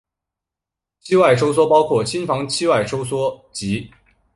期外收缩包括心房期外收缩及。